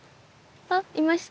あっいました。